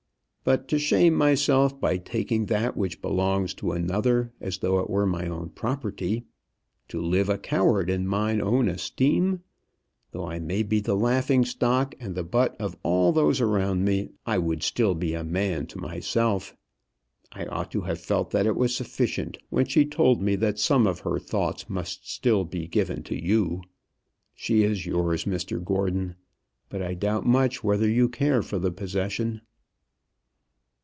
But to shame myself by taking that which belongs to another, as though it were my own property! To live a coward in mine own esteem! Though I may be the laughing stock and the butt of all those around me, I would still be a man to myself. I ought to have felt that it was sufficient when she told me that some of her thoughts must still be given to you. She is yours, Mr Gordon; but I doubt much whether you care for the possession."